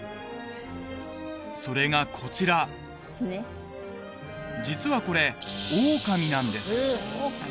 それがこちら実はこれオオカミなんです